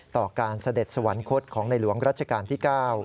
ต่อการเสด็จสวรรคตของในหลวงรัชกาลที่๙